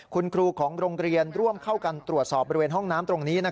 คุณครูของโรงเรียนร่วมเข้ากันตรวจสอบบริเวณห้องน้ำตรงนี้